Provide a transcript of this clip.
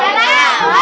apa bau becek gak